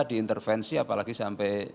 diintervensi apalagi sampai